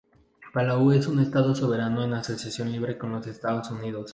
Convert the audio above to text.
Palau es un estado soberano en asociación libre con los Estados Unidos.